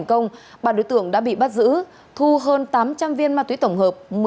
công ba đối tượng đã bị bắt giữ thu hơn tám trăm linh viên ma túy tổng hợp